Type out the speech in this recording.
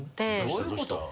どういうこと？